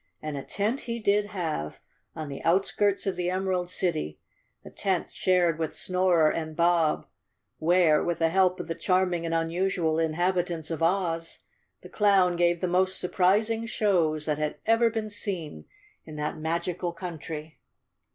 And a tent he did have, on the outskirts of the Emerald City —a tent shared with Snorer and Bob, where, with the help of the charming and unusual inhabitants of Oz, the clown gave the most surprising shows that had ever been seen in that magical country.